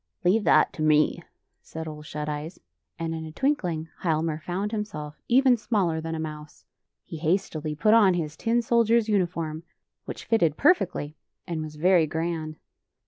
" Leave that to me," said Ole Shut Eyes, and in a twinkling Hialmar found himself even smaller than a mou^e. He hastily put on his tin soldier's uniform, which fitted per fectly and was very grand.